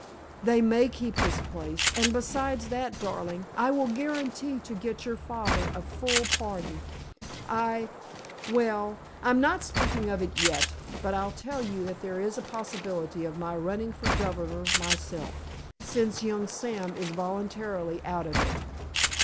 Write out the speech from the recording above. They may keep this place, and, besides that, darling, I will guarantee to get your father a full pardon. I—well, I'm not speaking of it yet—but I'll tell you that there is a possibility of my running for governor myself, since young Sam is voluntarily out of it.